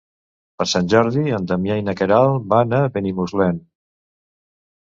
Per Sant Jordi en Damià i na Queralt van a Benimuslem.